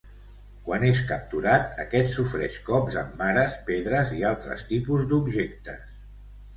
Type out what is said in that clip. Quan és capturat aquest sofreix cops amb vares, pedres i altre tipus d'objectes.